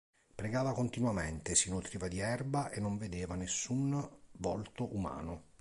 Pregava continuamente, si nutriva di erba e non vedeva nessun volto umano.